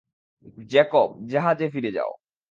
Jacob, জাহাজে ফিরে যাও।